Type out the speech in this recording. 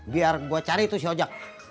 biar gue cari tuh si ojak